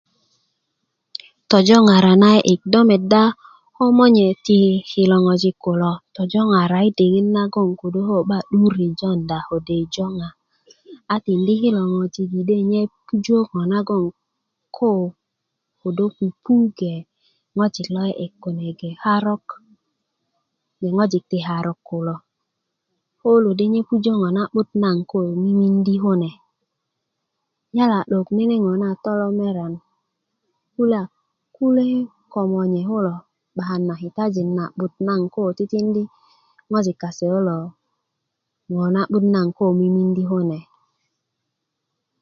tojoŋara na'di'dik do meda komonye ti kilo ŋojik kulo tojoŋara ti ko 'ba 'dur i diŋit nagon ko 'ba 'dur i joŋba tindi kilo ŋojik konye pujö ŋo nagon ko pupu kune bge ŋojik ti karo kulo ko de nye pujö ŋo naŋ ko mimindi kune yala nene ŋo na tolomeran kule komonye kulo 'bakan na kitajin kitajin nagon ko tikin ŋo nago ko mimindi kune